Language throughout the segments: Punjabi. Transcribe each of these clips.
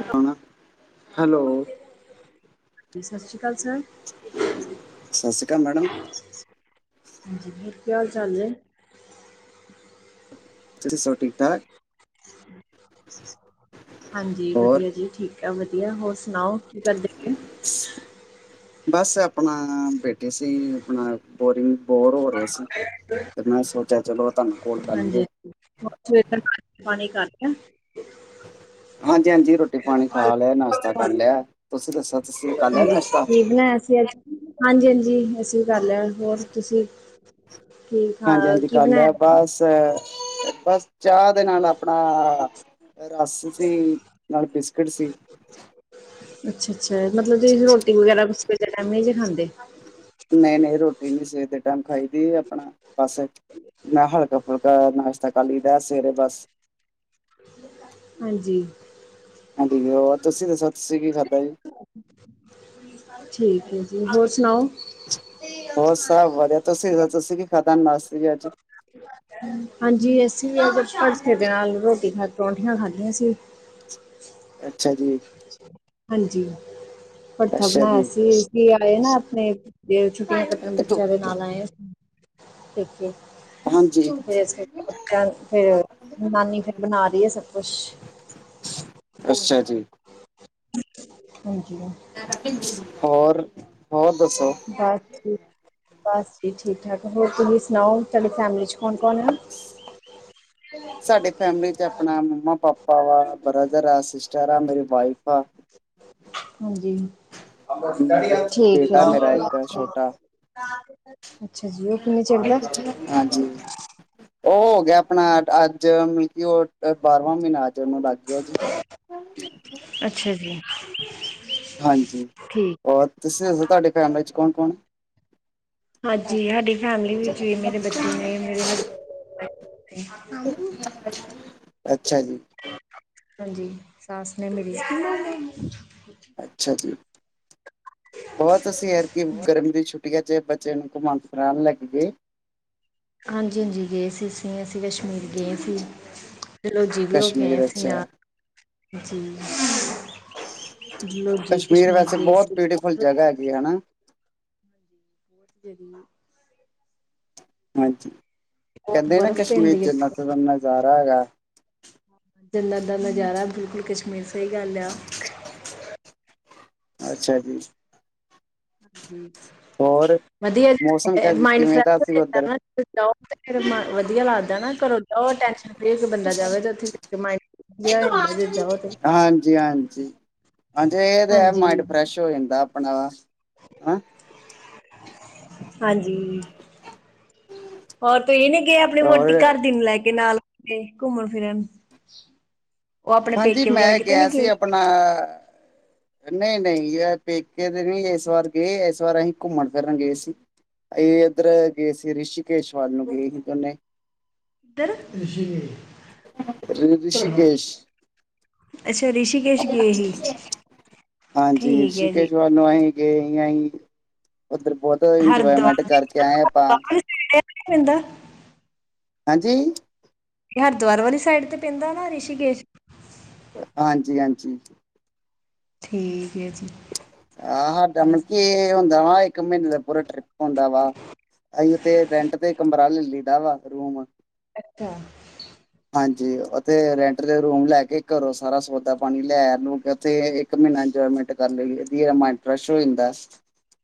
Hello hello. ਸਤਿ ਸ੍ਰੀ ਅਕਾਲ ਸਰ। ਸਤਿ ਸ਼੍ਰੀ ਅਕਾਲ ਮੈਡਮ ਹਾਂਜੀ ਕੀ ਹਾਲ-ਚਾਲ ਨੇ। ਤੁਸੀ ਸਬ ਠੀਕ, ਠਾਕ। ਹਾਂਜੀ, ਹੋਰ ਵਧੀਆ ਜੀ, ਠੀਕ ਆ ਵਧੀਆ, ਹੋਰ ਸੁਣਾਓ ਕੀ ਕਰਦੇ? ਪਏ ਬਸ ਆਪਣਾ ਬੇਠੈ ਸੀ, ਆਪਣਾ ਬੋਰਿੰਗ, ਬੋਰ ਹੋ ਰਹੇ ਸੀ। ਫਿਰ ਮੈਂ ਸੋਚਿਆ ਚਲੋ ਤਾਨੂੰ ਹਾਂਜੀ, ਹਾਂ ਸਵੇਰ ਦਾ ਰੋਟੀ ਪਾਣੀ ਕਰ ਲਿਆ? ਹਾਂਜੀ, ਹਾਂਜੀ ਰੋਟੀ ਪਾਣੀ ਖਾ ਲਿਆ, ਨਾਸ਼ਤਾ ਕਰ ਲਿਆ, ਤੁਸੀ ਦੱਸੋ ਤੁਸੀ ਕਰਲਿਆ ਨਾਸ਼ਤਾ? ਕੀ ਬਣਾਇਆ ਹਾਂਜੀ, ਹਾਂਜੀ ਅਸੀਂ ਕਰ ਲਿਆ। ਹੋਰ ਤੁਸੀਂ ਕੀ ਖਾ ਹਾਂਜੀ, ਹਾਂਜੀ ਕੀ ਕਰਲਿਆ ਬਣਾਇਆ ਬਸ, ਬਸ ਚਾਅ ਦੇ ਨਾਲ ਆਪਣਾ ਰਸ ਸੀ, ਨਾਲ ਬਿਸਕਿਟ ਸੀ। ਅੱਛਾ, ਅੱਛਾ ਮਤਲਬ ਤੁਸੀਂ ਰੋਟੀ ਵਗੈਰਾ ਸਵੇਰ ਦੇ ਟਾਈਮ ਨਹੀਂ ਜੇ ਖਾਂਦੇ? ਨਹੀਂ, ਨਹੀਂ ਰੋਟੀ ਨੀ ਸਵੇਰ ਦੇ ਟਾਈਮ ਖਾਈ ਦੀ ਆਪਣਾ, ਬਸ ਮੈਂ ਹਲਕਾ, ਫੁਲਕਾ ਚਾਅ ਨਾਸ਼ਤਾ ਕਰ ਲੀ ਦਾ ਸਵੇਰੇ ਬਸ ਹਾਂਜੀ। ਹਾਂਜੀ ਹੋਰ, ਤੁਸੀਂ ਦੱਸੋ ਤੁਸੀਂ ਕੀ ਖਾਧਾ ਜੇ? ਠੀਕ ਐ ਜੀ, ਹੋਰ ਸੁਣਾਓ? ਹੋਰ ਸਭ ਵਧੀਆ। ਤੁਸੀਂ ਦਸੋ, ਤੁਸੀਂ ਕੀ ਖਾਧਾ ਨਾਸ਼ਤੇ ਚ ਅਜ? ਹ [unintelligible] ਹਾਂਜੀ ਅਸੀਂ ਅ ਭਰਥੇ ਦੇ ਨਾਲ, ਰੋਟੀ ਖਾ ਪਰੋਂਠੀਆਂ ਖਾਧੀਆਂ ਸੀ। ਅੱਛਾ ਜੀ। ਹਾਂਜੀ। ਭੜਥਾ ਅੱਛਾ ਜੀ ਬਣਾਇਆ ਸੀ, ਦੀਦੀ ਆਏ ਨਾ ਆਪਣੇ, ਛੁੱਟੀਆਂ ਕੱਟਨ ਬੱਚਿਆਂ ਦੇ ਨਾਲ ਆਏ ਅ ਪੇਕੇ। ਹਾਂਜੀ ਫਿਰ ਬੱਚਿਆਂ ਫੇਰ ਨਾਨੀ ਫਿਰ ਬਣਾ ਰਹੀ ਹੈ ਸਭ ਕੁਛ। ਅੱਛਾ ਜੀ। ਹਾਂਜੀ, ਹਾਂ ਹੋਰ, ਹੋਰ ਦੱਸੋ? ਬਸ ਜੀ ਠੀਕ, ਬਸ ਜੀ ਠੀਕ ਠਾਕ, ਹੋਰ ਤੁਸੀਂ ਸੁਣਾਓ, ਤੁਹਾਡੀ ਫੈਮਿਲੀ 'ਚ ਹੈਂ ਸਾਡੇ ਫੈਮਿਲੀ ਤੇ ਆਪਣਾ ਮੰਮਾ -ਪਾਪਾ ਵਾ, ਬ੍ਰਦਰ ਆ, ਸਿਸਟਰ ਆ, ਮੇਰੀ ਵਾਈਫ ਆ। ਹਾਂਜੀ, ਇੱਕ ਠੀਕ ਹੈ ਜੀ। ਬੇਟਾ ਨਾ ਮੇਰਾ ਤੇ ਇੱਕ ਓਧਰ ਛੋਟਾ ਅੱਛਾ ਜੀ। ਹਾਂਜੀ ਉਹ ਹੋ ਗਿਆ ਆਪਣਾ ਅੱਜ ਕਿ ਉਹ ਬਾਰਵਾਂ ਮਹੀਨਾ ਅੱਜ ਉਨੂੰ ਲੱਗ ਗਿਆ ਜੀ। ਅੱਛਾ ਜੀ ਹਾਂਜੀ। ਠੀਕ ਹੋਰ ਤੁਸੀਂ ਦੱਸੋ, ਤੁਹਾਡੇ ਫੈਮਿਲੀ ਚ ਕੌਣ- ਕੌਣ? ਹਾਂਜੀ, ਹਾਡੀ ਫੈਮਿਲੀ ਵਿੱਚ ਵੀ ਮੇਰੇ ਬੱਚੇ ਨੇ, ਮੇਰੇ ਹਸਬੈਂਡ- ਅੱਛਾ ਜੀ। ਹਾਂਜੀ, ਸਾਸ ਨੇ ਮੇਰੀ। ਅੱਛਾ ਜੀ। ਹੋਰ ਤੁਸੀ ਐਦਕੀ ਗਰਮੀਂ ਦੀ ਛੁੱਟੀਆਂ ਚ ਬੱਚ ਚਿਆ ਨੂੰ ਘੁਮਾਣ ਫ਼ਿਰਾਣ ਲੈ ਕੇ ਗਏ? ਹਾਂਜੀ 'ਹਾਂਜੀ ਗਏ ਸੀ ਅਸੀਂ, ਅਸੀਂ ਕਸ਼ਮੀਰ ਗਏ ਸੀ। ਡਲਹੌਜੀ ਵੀ ਹੋਕੇ ਆਏ ਹਾਂ ਕਸ਼ਮੀਰ ਅਸੀਂ ਅੱਛਾ ਨਾਲ ਡਲਹੌਜੀ ਕਸ਼ਮੀਰ ਵੈਸੇ ਗਏ ਬਹੁਤ ਸੀ ਬਿਊਟੀਫੁਲ ਜਗ੍ਹਾ ਹੈਗੀ ਹਨਾ। ਜੀ- ਜੀ। ਹਾਂਜੀ, ਬਹੁਤ ਕਹਿੰਦੇ ਨਾ ਬਰਫ਼ ਕਸ਼ਮੀਰ, ਪੈਂਦੀ ਹੈ ਇੱਥੇ ਜੰਨਤ ਦਾ ਨਜ਼ਾਰਾ ਹੈਗਾ। ਜੰਨਤ ਦਾ ਨਜ਼ਾਰਾ, ਬਿਲਕੁਲ ਕਸ਼ਮੀਰ, ਸਹੀ ਗੱਲ ਆ। ਅੱਛਾ ਜੀ। ਹੋਰ ਵਧੀਆ ਜਗ੍ਹਾ ਮੌਸਮ ਹੈ, ਕ ਮਾਇੰਡ ਕਿਵੇਂ ਦਾ ਫਰੈਸ਼ ਹੋ ਸੀ ਜੰਦਾ ਉੱਧਰ ਹੈ ਨਾਂ। ਜਾਓ ਤੇ ਫੇਰੇ ਮ ਵਧੀਆ ਲੱਗਦਾ ਨਾ, ਘਰੋਂ ਜਾਓ ਟੈਂਸ਼ਨ ਜਿਹਾ ਹੋ ਜਾਂਦਾ ਜੇ ਜਾਓ ਤੇ ਹਾਂਜੀ, ਹਾਂਜੀ। ਹਾਂਜੀ ਇਹ ਤੇ ਹੈ, ਹਾਂਜੀ ਮਾਇੰਡ ਫਰੈਸ਼ ਹੋ ਜਾਂਦਾ ਆਪਣਾ, ਹਨਾ। ਹਾਂਜੀ। ਹੋਰ ਤੁਸੀ ਨਹੀਂ ਗਏ, ਆਪਣੀ ਹੋਰ ਵੋਟੀ ਘਰਦੀ ਨੂੰ ਲੈ ਕੇ ਨਾਲੇ, ਘੁੰਮਣ ਫਿਰਨ? ਉਹ ਆਪਣੇ ਹਾਂਜੀ ਪੇਕੇ ਵਗੈਰਾ, ਮੈਂ ਕਿਤੇ ਨੀ ਗਿਆ ਗਏ? ਆਪਣਾ ਨਹੀਂ-ਨਹੀਂ, ਯ ਪੇਕੇ ਦੇ ਨਹੀਂ ਇਸ ਵਾਰ ਗਏ। ਇਸ ਵਾਰ ਅਸੀਂ, ਘੁੰਮਣ ਫਿਰਨ ਗਏ ਸੀ। ਇਹ ਇੱਧਰ ਗਏ ਸੀ, ਰਿਸ਼ੀਕੇਸ਼ ਵਾਲ ਨੂੰ ਗਏ ਸੀ ਦੋਨੇ। ਕਿਧਰ? ਰਿਸ਼ੀਕੇਸ਼ ਰਿਸ਼ੀਕੇਸ਼ ਅੱਛਾ, ਰਿਸ਼ੀਕੇਸ਼ ਗਏ ਸੀ। ਹਾਂਜੀ, ਰਿਸ਼ੀਕੇਸ਼ ਵਾਲ ਨੂੰ ਹੀ ਗਏ ਅਹੀ, ਉੱਧਰ ਬਹੁਤ ਇੰਜੋਏਮੈਂਟ ਕਰਕੇ ਆਏ ਆਪਾਂ। ਕਿੱਥੇ ਪੈਂਦਾ? ਹਾਂਜੀ? ਹਰਿਦੁਆਰ ਵਾਲੀ ਸਾਈਡ ਤੇ ਪੈਂਦਾ ਨਾ, ਰਿਸ਼ੀਕੇਸ਼? ਹਾਂਜੀ, ਹਾਂਜੀ। ਠੀਕ ਹੈ ਜੀ। ਆਹ ਸਾਡਾ ਵਧੀਆ। ਮਤਲ ਕੀ ਇਹ ਹੁੰਦਾ ਵਾ, ਇੱਕ ਮਹੀਨੇ ਦਾ ਪੂਰਾ ਟ੍ਰਿਪ ਹੁੰਦਾ ਵਾ। ਅਹੀ ਉਥੇ ਰੈਂਟ ਤੇ ਕਮਰਾ ਲੈ ਲਈਦਾ ਵਾ, ਰੂਮ। ਅੱਛਾ। ਹਾਂਜੀ, ਉੱਥੇ ਰੈਂਟ ਤੇ ਰੂਮ ਲੈ ਕੇ, ਘਰੋਂ ਸਾਰਾ ਸੌਦਾ ਪਾਣੀ ਲੈ-ਲੂ ਕੇ ਉੱਥੇ ਇੱਕ ਮਹੀਨਾ ਇੰਜੋਏਮੈਂਟ ਕਰ ਲਈ ਦੀ, 'ਹ ਮਾਇੰਡ ਫਰੈਸ਼ ਹੋ ਜਾਂਦਾ।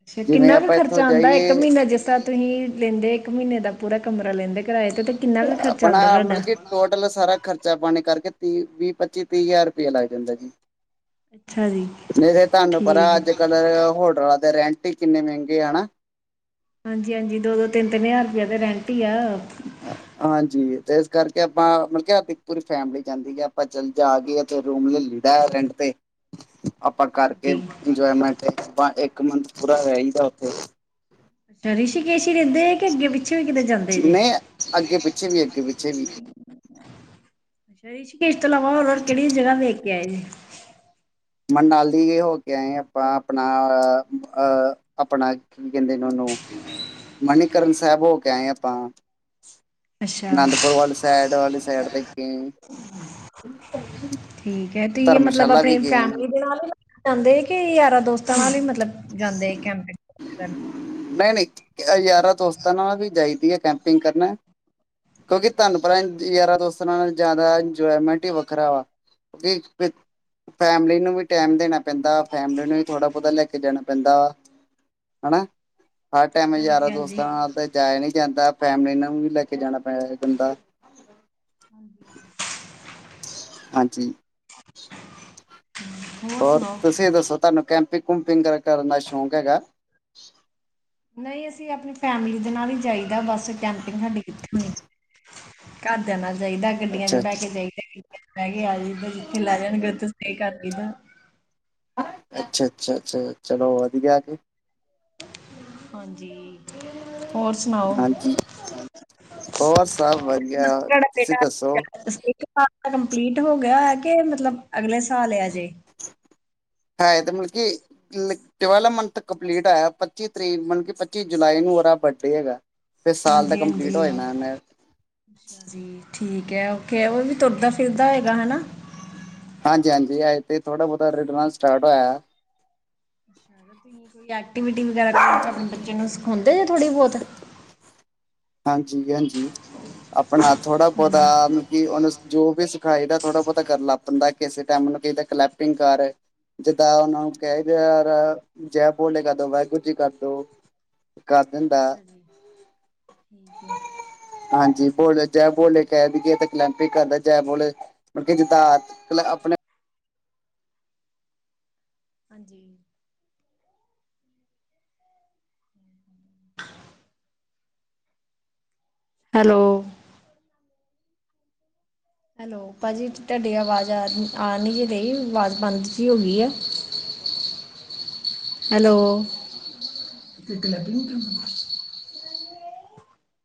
ਅੱਛਾ, ਜਿਵੇਂ ਕਿੰਨਾ ਕੁ ਆਪਾਂ ਇੱਥੋਂ ਖਰਚਾ ਆਉਂਦਾ, ਇੱਕ ਜਾਈਏ ਮਹੀਨਾ ਜਿਸ ਤਰ੍ਹਾਂ ਤੁਸੀਂ ਲੈਂਦੇ, ਇੱਕ ਮਹੀਨੇ ਦਾ ਪੂਰਾ ਕਮਰਾ ਲੈਂਦੇ ਕਿਰਾਏ ਤੇ? ਕਿੰਨਾ ਕੁ ਖਰਚਾ ਆਪਣਾ ਆਉਂਦਾ ਤੁਹਾਡਾ ਮਤਲਬ ਕਿ ਟੋਟਲ ਸਾਰਾ ਖਰਚਾ ਪਾਣੀ ਕਰਕੇ, ਤੀਹ ਵੀਹ, ਪੱਚੀ-ਤੀਹ ਹਜ਼ਾਰ ਰੁਪਇਆ ਲੱਗ ਜਾਂਦਾ ਜੀ। ਅੱਛਾ ਜੀ ਨਹੀ ਤੇ ਤੁਹਾਨੂੰ ਠੀਕ ਪਤਾ, ਹੈ ਅਜ ਕਲ ਹੋਟਲਾ ਦੇ ਰੈਂਟ- ਕਿਨੇ ਮਹਿਗੇ, ਹਣਾ। ਹਾਂਜੀ -ਹਾਂਜੀ, ਦੋ- ਦੋ, ਤਿੰਨ- ਤਿੰਨ ਹਜ਼ਾਰ ਰੁਪਆ ਦੇ ਰੈਟ ਹੀ ਆ। ਹਾਂਜੀ ਤੇ ਇਸ ਕਰਕੇ ਆਪਾ ਮਤਲਬ ਕਿ, ਆਪ ਪੂਰੀ ਫੈਮਿਲੀ ਜਾਦੀ ਹੈ। ਆਪਾ ਚਲ ਜਾ ਕੇ ਤੇ ਰੂਮ ਲਲੀਦਾ ਹੈ, ਰੈਂਟ ਤੇ। ਆਪਾ ਕਰਕੇ ਹਾਂਜੀ ਇੰਜੋਏਮੈਟ, ਆਪਾ ਇਕ ਮੰਥ ਪੂਰਾ ਰਹਿ ਹੀਦਾ ਉਥੇ। ਅਛਾ ਰਿਸ਼ੀਕੇਸ਼ ਹੀ ਰਹਿਦੇ, ਕਿ ਅਗੇ ਪਿੱਛੇ ਵੀ ਕਿਤੇ ਜਾਦੇ ਜੇ? ਨਹੀਂ ਅੱਗੇ ਪਿੱਛੇ ਵੀ ਅੱਗੇ ਪਿੱਛੇ ਵੀ ਅਛਾ ਰਿਸ਼ੀਕੇਸ਼ ਤੋ ਇਲਾਵਾ, ਹੋਰ- ਹੋਰ ਕਿਹੜੀ ਜ੍ਹਗਾਂ ਦੇਖ ਕੇ ਆਏ ਜੇ? ਮਨਾਲੀ ਹੋ ਕੇ ਆਏ ਆਪਾ, ਆਪਣਾ ਅਹ ਆਪਣਾ ਕੀ ਕਹਿਦੇ ੳਨੂੰ, ਮਨੀਕਰਨ ਸਾਹਿਬ ਹੋ ਕੇ ਆਏ ਆਪਾ। ਅੱਛਾ ਅਨੰਦਪੁਰ ਵਾਲੀ ਸਾਈਡ, ਵਾਲੀ ਸਾਈਡ ਦੇ ਗ ਠੀਕ ਹੈ। ਤੁਹੀਂ ਮਤਲਬ ਧਰਮਸ਼ਾਲਾ ਵੀ ਆਪਣੇ ਗਏ ਫੈਮਲੀ ਦੇ ਨਾਲ ਜਾਦੇ, ਕਿ ਯਾਰਾਂ ਦੋਸਤਾਂ ਨਾਲ ਹੀ ਮਤਲਬ ਜਾਦੇ ਕੈਂਪਿੰਗ? ਨਹੀ-ਨਹੀ, ਯਾਰਾਂ ਦੋਸਤਾਂ ਨਾਲ ਵੀ ਜਾਈਦੀ ਆ, ਕੈਂਪਿੰਗ ਕਰਨ। ਕਿਓਂਕਿ ਤੁਆਨੂੰ ਪਤਾ ਯਾਰਾਂ ਦੋਸਤਾਂ ਨਾਲ ਜਾਦਾ ਇੰਜੋਏਮੈਂਟ ਈ ਵੱਖਰਾ ਵਾ। ਕੀ ਫੈਮਲੀ ਨੂੰ ਵੀ ਟੈਮ ਦੇਨਾ ਪੈਂਦਾ ਵਾ। ਫੈਮਲੀ ਨੂੰ ਵੀ ਥੋੜਾ ਬੋਤਾ ਲੈ ਕੇ ਜਾਨਾ ਪੈਂਦਾ ਵਾ, ਹਨਾ। ਹਰ ਟਾਈਮ ਹਾਂਜੀ ਯਾਰਾਂ ਹਾਂਜੀ ਦੋਸਤਾਂ ਨਾਲ ਤੇ ਜਾਏਆ ਨੀ ਜਾਂਦਾ ਫੈਮਿਲੀ ਨਾਲ ਨੂੰ ਵੀ ਲੈ ਕੇ ਜਾਨਾ ਪੈਂਦਾ ਬੰਦਾ [inaudible] ਹਾਂਜੀ, ਹੋਰ ਤੁਸੀਂ ਏ ਦੱਸੋ ਤੁਆਨੂੰ ਕਿ ਕੈਂਪਿੰਗ ਕੂਪਿੰਗ ਕਰਨ ਦਾ ਸ਼ੋਕ ਹੈਗਾ। ਨਈਂ ਅਸੀਂ ਆਪਨੀ ਫੈਮਿਲੀ ਦੇ ਨਾਲ ਈ ਜਾਈਦਾ ਬਸ ਕੈਂਪਿੰਗ ਸਾਡੀ ਕਿੱਥੇ ਹੋਨੀ ਆ। ਘਰਦੇਆਂ ਨਾਲ ਜਾਈਦਾ। ਗੱਡੀਆਂ ਅੱਛਾ ਚ ਬੈ ਕੇ ਜਾਈਦਾ ਗੱਡੀਆਂ ਚ ਬੈ ਕੇ ਆ ਜਾਈਦਾ ਜਿੱਥੇ ਲੈ ਜਾਨਗੇ ਓਥੇ ਸਟੇਅ ਕਰ ਦਈਦਾ। ਅੱਛਾ-ਅੱਛਾ-ਅੱਛਾ ਚਲੋ ਵਦੀਆ ਜੀ। ਹਾਂਜੀ। ਹੋਰ ਸੁਣਾਓ? ਹਾਂਜੀ, ਹੋਰ ਸਬ ਵਦੀਆ ਮਤਲਬ ਤੁਹਾਡਾ ਤੁਸੀ ਦੱਸੋ ਬੇਟਾ [unintelligible] ਕੰਪਲੀਟ ਹੋ ਗੇਆ ਕੇ ਮਤਲਬ ਅਗਲੇ ਸਾਲ ਆ ਜੇ। ਹੈ ਏ ਤੇ ਮਲਕੀ ਡਿਵੈਲਪ ਮੰਥ ਕੰਪਲੀਟ ਹੋਏਆ ਪੱਚੀ ਤਰੀਕ ਮਤਲਬ ਕੀ ਪੱਚੀ ਜੁਲਾਈ ਨੂੰ ਓਦਾ ਬਰਡੇ ਹੈਗਾ। ਫੇਰ ਸਾਲ ਦਾ ਕੰਪਲੀਟ ਹਾਂਜੀ-ਹਾਂਜੀ, ਹੋ ਜਾਨਾ ਏਨੇ। ਅੱਛਾ ਜੀ ਠੀਕ ਐ ਓਕੇ ਓ ਵੀ ਤੁਰਦਾ ਫਿਰਦਾ ਹੋਏਗਾ ਹਨਾ। ਹਾਂਜੀ-ਹਾਂਜੀ ਅਜੇ ਤੇ ਥੋੜਾ ਬੋਤਾ ਰਿੜਨਾ ਸਟਾਟ ਹੋਏਆ। ਤੁਸੀਂ ਕੋਈ ਐਕਟੀਵਿਟੀ ਵਗੈਰਾ ਸਿਖਾਂਦੇ ਓੰ ਆਪਨੇ ਬੱਚੇ ਨੂੰ ਥੋੜੀ ਬੋਤ। ਹਾਂਜੀ-ਹਾਂਜੀ। ਆਪਨਾ ਥੋੜਾ ਬੋਤਾ ਹਾਂਜੀ। ਮਤਲਬ ਕੀ ਓਨੂੰ ਜੋ ਵੀ ਸਿਖਾਈ ਦਾ ਥੋੜਾ ਬੋਤਾ ਕਰ ਲੈ ਬੰਦਾ ਕਿਸੇ ਟਾਈਮ ਨੂੰ ਕੇਦਾ ਕਲੈਪਿੰਗ ਕਰ, ਜਿਦਾਂ ਉਹਨਾ ਨੂੰ ਕਹਿਦੇ ਯਾਰ, ਜੈ ਬੋਲੇ, ਕਰਦੋ ਵਾਹਿਗੁਰੂ ਜੀ ਕਰਦੋ, ਕਰਦੇਨ ਦਾ [inaudible] ਹਾਂਜੀ, ਬੋਲੇ ਜੈ ਅੱਛਾ ਬੋਲੇ, ਜੀ ਕਹਿ ਦੀਏ ਤੇ ਕਲੈੰਪਿਕ ਕਰਦਾ ਜੈ ਬੋਲੇ, ਮੁੜਕੇ ਜਿਦਾਂ ਆਪਣੇ ਹਾਂਜੀ। [inaudible] ਹੈਲੋ ਹੈਲੋ ਭਾਅ ਜੀ ਤੁਹਾਡੀ ਅਵਾਜ ਆ, ਆ ਨਹੀ ਰਹੀ, ਅਵਾਜ਼ ਬੰਦ ਜੀ ਹੋਗੀ ਐ। Hello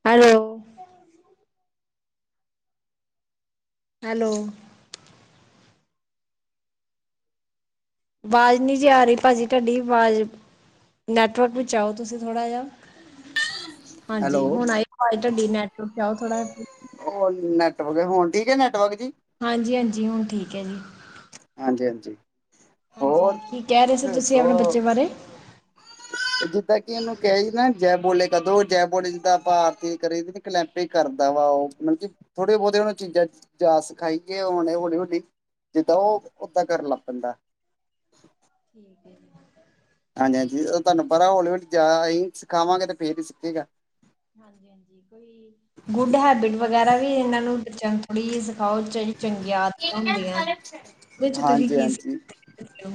hello- hello. ਅਵਾਜ਼ ਨਹੀ ਜੇ ਆ ਰਹੀ ਭਾਜੀ ਤੁਹਾਡੀ, ਅਵਾਜ ਨੈਟਵਰਕ ਵਿਚ ਆਓ ਤੁਸੀ ਥੋੜਾ ਜਾ। ਹਾਂਜੀ, ਹੈਲੋ ਹੁਣ ਆਈ ਅਵਾਜ਼ ਤੁਹਾਡੀ ਨੈਟਵਰਕ'ਚ ਆਓ ਥੋੜਾ। ਉਹ ਨੈਟਵਰਕ, ਹੁਣ ਠੀਕ ਐ ਨੈਟਵਰਕ ਜੀ? ਹਾਂਜੀ-ਹਾਂਜੀ, ਹੁਣ ਠੀਕ ਹੈ ਜੀ। ਹਾਂਜੀ-ਹਾਂਜੀ। ਹਾਂਜੀ, ਕੀ ਕਹਿ ਰਹੇ ਸੀ ਤੁਸੀਂ, ਸੋ ਅਪਣੇ ਬੱਚੇ ਬਾਰੇ? ਜਿੱਦਾਂ ਕਿ ਇਹਨੂੰ ਕਹੀਦਾ ਸੀ ਨਾ ਜੈ ਬੋਲੇ ਕਰਦੋ, ਜੈ ਬੋਲੇ ਜਿੱਦਾਂ ਆਪਾਂ ਆਰਤੀ ਕਰੀ ਕਲੈਂਪੇ ਕਰਦਾ ਵਾ ਉਹ, ਮਤਲਬ ਕਿ ਥੋੜੇ-ਬਹੁਤੇ ਉਹਨੂੰ ਚੀਜ਼ਾਂ ਜਾਚ ਸਿਖਾਈ ਕਿ ਏ ਹੌਲੀ-ਹੌਲੀ ਤਾਂ ਉਹ, ਓਦਾਂ ਕਰਨ ਲੱਗ ਪੈਂਦਾ। ਠੀਕ ਏ ਜੀ। ਹਾਂਜੀ-ਹਾਂਜੀ ਤੁਹਾਨੂੰ ਪਤਾ ਹੌਲੀ-ਹੌਲੀ ਜਾਚ ਆਈ, ਸਿਖਾਵਾਂਗੇ ਤੇ ਫੇਰ ਈ ਸਿੱਖੇਗਾ। ਹਾਂਜੀ-ਹਾਂਜੀ ਕੋਈ ਗੁੱਡ ਹੈਬਿਟ ਵਗੈਰਾ ਵੀ ਏਨਾਂ ਨੂੰ ਬੱਚਿਆਂ ਨੂੰ ਥੋੜ੍ਹੀ ਜੇਈ ਸਿਖਾਓ। ਜੇੜੀ ਚੰਗੀ ਆਦਤਾਂ ਹੁੰਦੀਆਂ ਓਦੇ ਚ ਤੁਸੀਂ ਹਾਂਜੀ ਕੀ ਹਾਂਜੀ [unintelligible] ਓੌ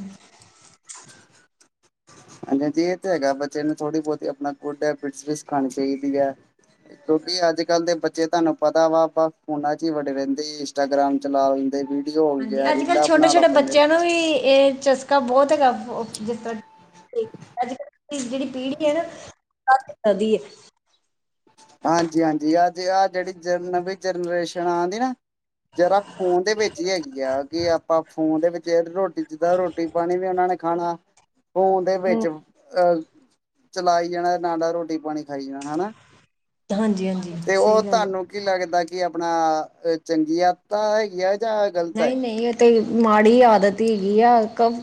ਹਾਂਜੀ-ਹਾਂਜੀ ਏ ਤੇ ਹੈਗਾ ਬੱਚੇ ਨੂੰ ਥੋੜੀ-ਬੋਹਤੀ ਆਪਣਾ ਗੁਡ ਹੈਬਿਟਸ ਵੀ ਸਿਖਾਣੀ ਚਾਇਦੀ ਐ। ਕਿਉਂਕਿ ਅੱਜ-ਕਲ ਦੇ ਬੱਚੇ ਤਾਨੂੰ ਪਤਾ ਵਾ ਆਪਾ ਫੋਨਾ ਚ ਈ ਵੜੇ ਰੈੰਦੇ ਇੰਸਟਾਗ੍ਰਾਮ ਚਲਾ ਲੈਂਦੇ ਵੀ ਹਾਂਜੀ ਅੱਜ-ਕੱਲ ਛੋਟੇ-ਛੋਟੇ ਬੱਚਿਆਂ ਨੂੰ ਵੀ ਏ ਚਸ ਹਾਂ ਬੋਹਤ ਹੈਗਾ ਫ ਜਿਸ ਤਰ੍ਹਾਂ ਕਿ ਅੱਜ-ਕੱਲ ਜੇੜੀ ਪੀੜ੍ਹੀ ਏ ਨਾ ਆਂ ਕਿਦਾਂ ਦੀ ਏ। ਹਾਂਜੀ-ਹਾਂਜੀ ਅੱਜ ਆਹ ਜੇੜੀ ਨਵੀਂ ਜਨਰੇਸ਼ਨ ਆਣ ਦੀ ਨਾ ਜਰਾ ਫੋਨ ਦੇ ਵਿੱਚ ਈ ਹੈਗੀ ਆ ਜੇ ਆਪਾਂ ਫੋਨ ਦੇ ਵਿੱਚ ਰੋਟ ਜਿੱਦਾਂ ਰੋਟੀ-ਪਾਨੀ ਵੀ ਏਨਾਂ ਨੇ ਖਾਣਾ ਫੋਨ ਦੇ ਵਿੱਚ ਅ ਚਲਾਈ ਜਾਣਾ ਨਾਲ-ਨਾਲ ਰੋਟੀ-ਪਾਨੀ ਖਾਈ ਜਾਣਾ ਹੈਨਾਂ। ਹਾਂਜੀ ਹਾਂਜੀ ਤੇ ਸਹੀ ਓ ਗੱਲ ਤਾਨੂੰ ਕੀ ਹੈ। ਲੱਗਦਾ ਕੀ ਆਪਣਾ ਚੰਗੀ ਆਦਤਾਂ ਹੈਗੀ ਐਂ। ਨਈ-ਨਈ ਓ ਤੇ ਮਾੜੀ ਆਦਤ ਈ ਹੈਗੀ ਆ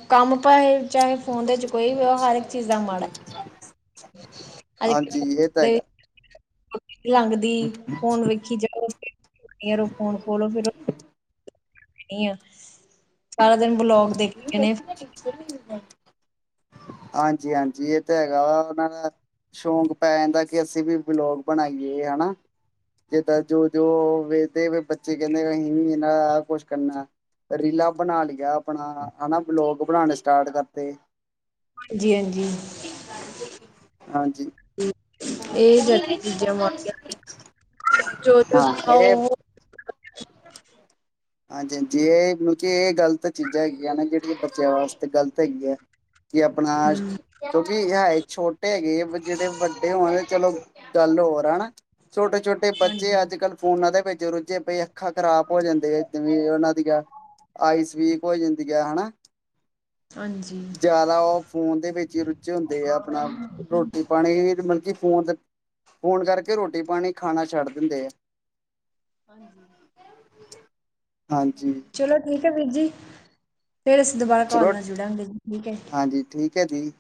ਕੰਮ ਪਾਏ ਚਾਹੇ ਫੋਨ ਦੇ ਇਚ ਕੋਈ ਵੀ ਹੋ ਹਰ ਇੱਕ ਚੀਜ਼ ਦਾ ਮਾੜਾ। [unintelligible] ਹਾਂਜੀ ਇਹ ਤਾਂ ਹੈਗਾ ਲਾੰਗਦੀ ਫੋਨ ਵੇਖੀ ਜਾਓ ਇਅਰ ਫੋਨ ਖੋ ਲੋ ਫੇਰ ਅ ਏਅਰ ਸਾਰਾ ਦਿਨ ਬਲੋਗ ਦੇਖੀ ਜਾਣੇ। ਹਾਂਜੀ-ਹਾਂਜੀ ਏ ਤੇ ਹੈਗਾ ਵਾ ਓਨਾਂ ਨੇ ਸ਼ੌਂਕ ਪੈ ਜਾਂਦਾ ਕਿ ਅਸੀਂ ਵੀ ਬਲੋਗ ਬਣਾਈਏ ਹਨਾ ਜਿੱਦਾਂ ਜੋ-ਜੋ ਵੇਖਦੇ ਵੀ ਬੱਚੇ ਕੈਂਦੇ ਅਸੀਂ ਵੀ ਏਨਾ ਐ ਕੁਛ ਕਰਨਾ। ਰੀਲਾ ਬਣਾ ਲਿਆ ਆਪਣਾ ਹਨਾ ਬਲੋਕ ਬਣਾਣੇ ਸਟਾਰਟ ਕਾਰਤੇ। ਹਾਂਜੀ-ਹਾਂਜੀ, ਹਾਂਜੀ ਠੀਕ। ਏ ਜਦ ਜਮਾਨਾ ਜੋ-ਜੋ ਹਾਂ ਇਹ ਸਖਾਓ ਹਾਂਜੀ-ਹਾਂਜੀ ਏ ਮਤਲਬ ਕਿ ਏ ਗ਼ਲਤ ਚੀਜ਼ਾਂ ਹੈਗੀਆਂ ਨੇ ਜੇੜੀ ਬੱਚਿਆਂ ਵਾਸਤੇ ਗ਼ਲਤ ਹੈਗੀਐ। ਕਿ ਅਪਣਾ ਅਸ਼ ਕਿਉਂਕਿ ਐ ਛੋਟੇ ਹੈਗੇ ਜਿਲੇ ਵੱਡੇ ਹੋਣਗੇ ਚਲੋ ਗੱਲ ਹੋਰ ਐ ਹੈਨਾ ਛੋਟੇ-ਛੋਟੇ ਬੱਚੇ ਹਾਂਜੀ ਅੱਜ-ਕੱਲ ਫੋਨਾਂ ਦੇ ਵਿੱਚ ਰੁੱਝੇ ਪਏ ਆ। ਅੱਖਾਂ ਖ਼ਰਾਬ ਹੋ ਜਾਂਦੇ ਆ ਜਿਵੇਂ ਓਨਾਂ ਦੀਆਂ ਆਈਸ ਵੀਕ ਹੋ ਜਾਂਦੀ ਐ ਹਨਾ। ਹਾਂਜੀ ਜਾਦਾ ਓ ਫੋਨ ਦੇ ਵਿੱਚ ਈ ਰੁਝੇ ਹੁੰਦੇ ਆ ਆਪਣਾ ਰੋਟੀ -ਪਾਨੀ ਮਤਲਬ ਕੀ ਫੋਨ ਤੇ ਫੋਨ ਕਰਕੇ ਰੋਟੀ-ਪਾਨੀ ਖਾਣਾ ਛੱਡ ਦਿੰਦੇ ਆ। ਹਾਂਜੀ। ਹਾਂਜੀ ਚਲੋ ਠੀਕ ਐ ਵੀਰ ਜੀ ਫੇਰ ਅਸੀਂ ਦੋਬਾਰਾ ਕੋਲ ਚਲੋ ਨਾਲ ਜੁੜਾਂਗੇ ਜੀ ਠੀਕ ਐ। ਹਾਂਜੀ ਠੀਕ। ਕੇਥੀ